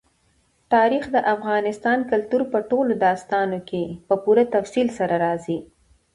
تاریخ د افغان کلتور په ټولو داستانونو کې په پوره تفصیل سره راځي.